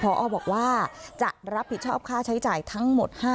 พอบอกว่าจะรับผิดชอบค่าใช้จ่ายทั้งหมด